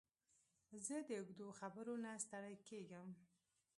زه د اوږدو خبرو نه ستړی کېږم.